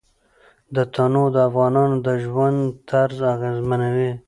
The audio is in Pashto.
تنوع د افغانانو د ژوند طرز اغېزمنوي.